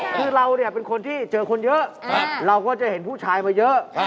คือเราเนี่ยเป็นคนที่เจอคนเยอะเราก็จะเห็นผู้ชายมาเยอะ